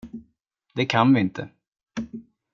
Det kan vi inte.